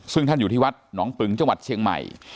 ซึ่งท่านอยู่ที่วัดหนองปึงจังหวัดเชียงใหม่